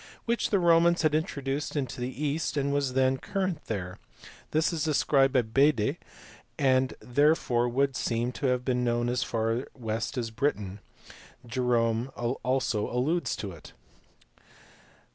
115) which the Romans had introduced into the East and was then current there; this is described by Bede and therefore would seem to have been known as far west as Britain ; Jerome also alludes to it.